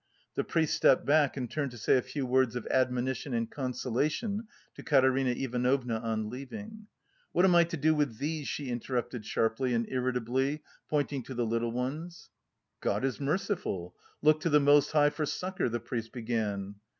The priest stepped back and turned to say a few words of admonition and consolation to Katerina Ivanovna on leaving. "What am I to do with these?" she interrupted sharply and irritably, pointing to the little ones. "God is merciful; look to the Most High for succour," the priest began.